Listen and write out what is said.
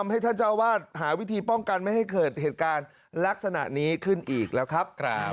ให้ท่านเจ้าวาดหาวิธีป้องกันไม่ให้เกิดเหตุการณ์ลักษณะนี้ขึ้นอีกแล้วครับ